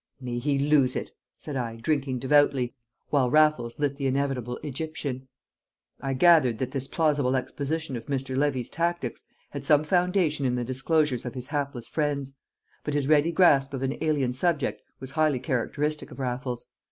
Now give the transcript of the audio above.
"May he lose it!" said I, drinking devoutly, while Raffles lit the inevitable Egyptian. I gathered that this plausible exposition of Mr. Levy's tactics had some foundation in the disclosures of his hapless friends; but his ready grasp of an alien subject was highly characteristic of Raffles.